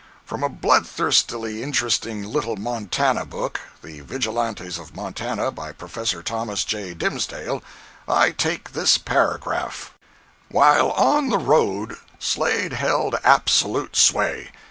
From a bloodthirstily interesting little Montana book.—["The Vigilantes of Montana," by Prof. Thos. J. Dimsdale.]—I take this paragraph: "While on the road, Slade held absolute sway.